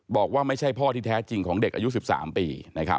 บอกว่าไม่ใช่พ่อที่แท้จริงของเด็กอายุ๑๓ปี